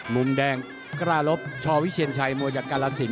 มุมแดงกล้ารบชอวิเชียนชัยมวยกับก้าราศิลป์